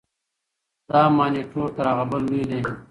دا مانیټور تر هغه بل لوی دی.